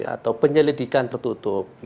atau penyelidikan tertutup